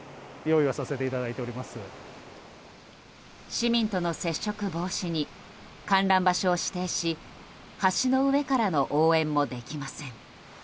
市民との接触防止に観覧場所を指定し橋の上からの応援もできません。